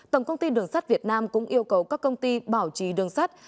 tổng công ty đường sắt việt nam cũng yêu cầu các công ty bảo trì đường sắt